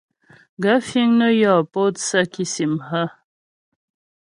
Gaə̂ fíŋ nə́ yɔ pótsə́ kìsìm hə̀ ?